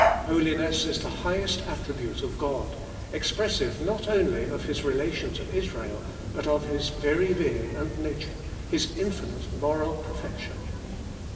Holiness is the highest attribute of God, expressive not only of His relation to Israel, but of His very being and nature, His infinite moral perfection.